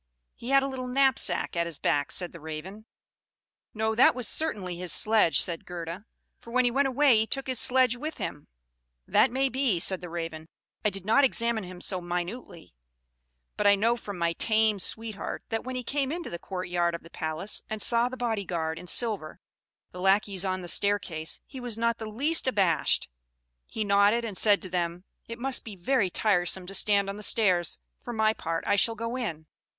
"He had a little knapsack at his back," said the Raven. "No, that was certainly his sledge," said Gerda; "for when he went away he took his sledge with him." "That may be," said the Raven; "I did not examine him so minutely; but I know from my tame sweetheart, that when he came into the court yard of the palace, and saw the body guard in silver, the lackeys on the staircase, he was not the least abashed; he nodded, and said to them, 'It must be very tiresome to stand on the stairs; for my part, I shall go in.'